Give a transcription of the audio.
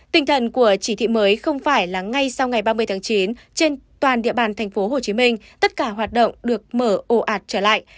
tinh thần của chỉ thị mới không phải là ngay sau ngày ba mươi tháng chín trên toàn địa bàn tp hcm tất cả hoạt động được mở ồ ạt trở lại